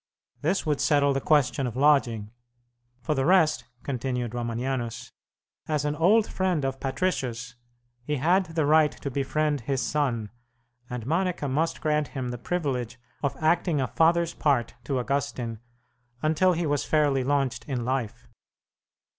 This would settle the question of lodging. For the rest, continued Romanianus, as an old friend of Patricius he had the right to befriend his son, and Monica must grant him the privilege of acting a father's part to Augustine until he was fairly launched in life.